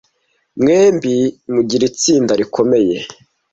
Mwembi mugira itsinda rikomeye.